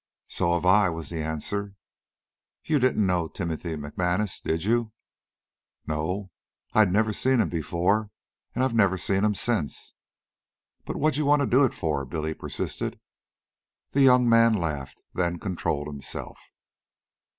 "So have I," was the answer. "You didn't know Timothy McManus, did you?" "No; I'd never seen him before, and I've never seen him since." "But what'd you wanta do it for?" Billy persisted. The young man laughed, then controlled himself.